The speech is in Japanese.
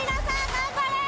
頑張れ！